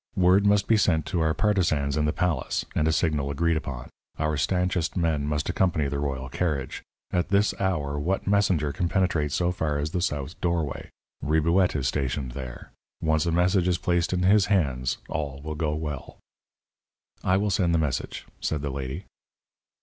Word must be sent to our partisans in the palace, and a signal agreed upon. Our stanchest men must accompany the royal carriage. At this hour what messenger can penetrate so far as the south doorway? Ribouet is stationed there; once a message is placed in his hands, all will go well." "I will send the message," said the lady.